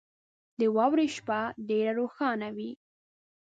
• د واورې شپه ډېره روښانه وي.